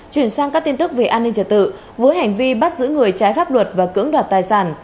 chuyển sang các tin tức về an ninh trật tự với hành vi bắt giữ người trái pháp luật và cưỡng đoạt tài sản